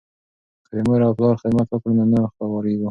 که د مور او پلار خدمت وکړو نو نه خواریږو.